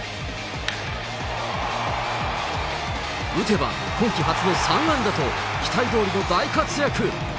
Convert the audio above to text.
打てば今季初の３安打と期待どおりの大活躍。